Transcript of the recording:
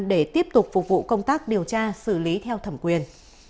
để tiếp tục phục vụ công tác điều tra xử lý theo thẩm quyền